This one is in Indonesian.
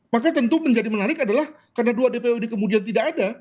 maka tentu menjadi menarik adalah karena dua dpo ini kemudian tidak ada